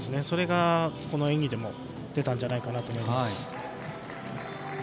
それがこの演技でも出たんじゃないかなと思います。